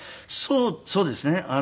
そうですね。